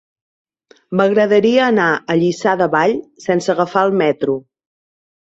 M'agradaria anar a Lliçà de Vall sense agafar el metro.